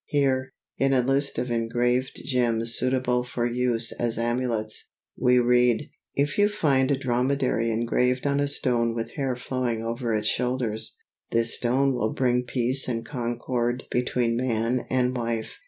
Here, in a list of engraved gems suitable for use as amulets, we read, "If you find a dromedary engraved on a stone with hair flowing over its shoulders, this stone will bring peace and concord between man and wife."